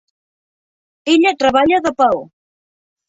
Ella treballa de peó.